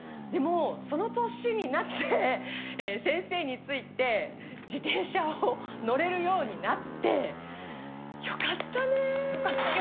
でも、その年になって、先生について、自転車乗れるようになって、よかったねー。